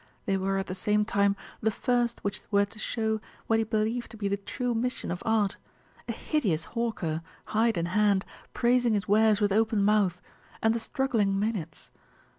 They were at the same time the first which were to show what he believed to be the true mission of art a hideous hawker, hide in hand, praising his wares with open mouth, and the struggling Maenads.